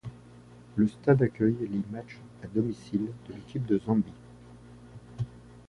Le stade accueille les matchs à domicile de l'équipe de Zambie.